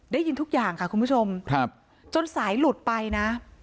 ได้ยินทุกอย่างค่ะคุณผู้ชมครับจนสายหลุดไปนะ